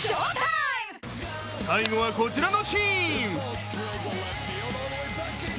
最後はこちらのシーン。